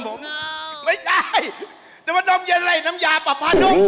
ไม่ใช่นมเย็นอะไรน้ำยาปรับภาษณุน